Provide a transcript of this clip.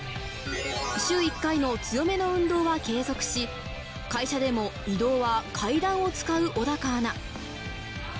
週１回の強めの運動は継続し、会社でも移動は階段を使う小高アナ。